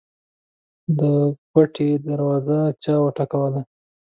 د کوټې دروازه چا وټکوله.